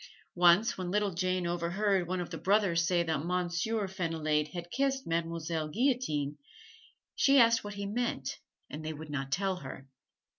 Once, when little Jane overheard one of the brothers say that Monsieur Fenillade had kissed Mademoiselle Guillotine, she asked what he meant and they would not tell her.